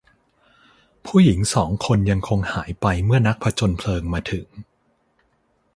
ผู้หญิงสองคนยังคงหายไปเมื่อนักผจญเพลิงมาถึง